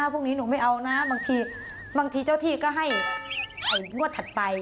พวกนี้หนูไม่เอานะบางทีเจ้าที่ก็ให้งวดถัดไป